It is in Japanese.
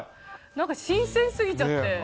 何か新鮮すぎちゃって。